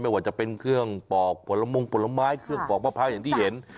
ว่าจะเป็นเครื่องปอกผลมงผลไม้เครื่องปอกมะพร้าวอย่างที่เห็น